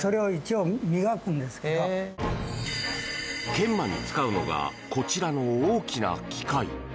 研磨に使うのがこちらの大きな機械。